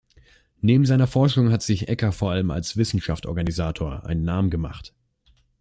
Neben seiner Forschung hat sich Ecker vor allem als Wissenschaftsorganisator einen Namen gemacht.